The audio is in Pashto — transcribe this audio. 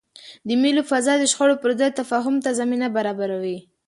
د مېلو فضا د شخړو پر ځای تفاهم ته زمینه برابروي.